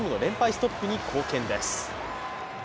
ストップに貢献です。